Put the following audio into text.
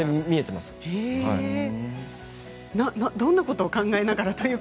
どんなことを考えながら。